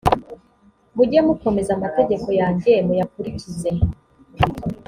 mujye mukomeza amategeko yanjye muyakurikize